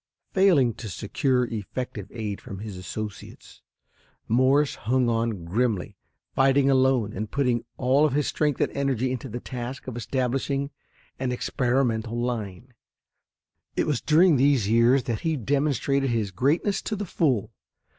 Failing to secure effective aid from his associates, Morse hung on grimly, fighting alone, and putting all of his strength and energy into the task of establishing an experimental line. It was during these years that he demonstrated his greatness to the full.